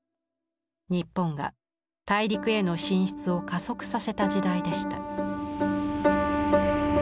日本が大陸への進出を加速させた時代でした。